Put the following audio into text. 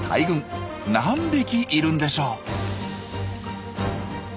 何匹いるんでしょう？